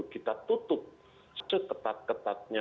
kita tutup seketat ketatnya